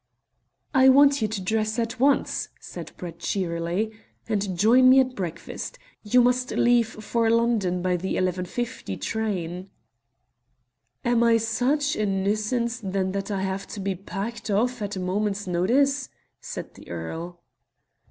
"I want you to dress at once," said Brett cheerily, "and join me at breakfast. You must leave for London by the 11.50 train." "Am I such a nuisance then that I have to be packed off at a moment's notice?" said the earl.